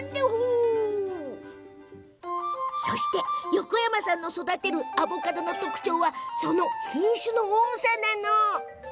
そして、横山さんの育てるアボカドの特徴がその品種の多さ。